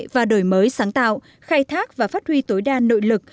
và đổi mới sáng tạo khai thác và phát huy tối đa nội lực